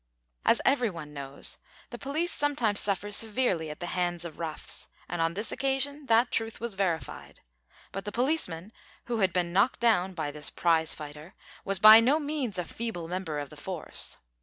As every one knows, the police sometimes suffer severely at the hands of roughs, and on this occasion that truth was verified, but the policeman who had been knocked down by this prize fighter was by no means a feeble member of the force.